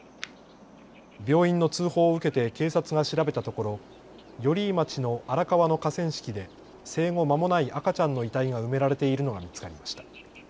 病院の通報を受けて警察が調べたところ寄居町の荒川の河川敷で生後まもない赤ちゃんの遺体が埋められているのが見つかりました。